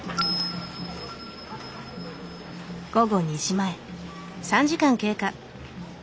午後２時前。